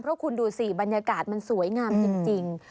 เพราะคุณดูสิบรรยากาศมันสวยงามจริง